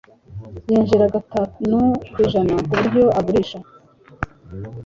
Yinjiza gatanu ku ijana kubyo agurisha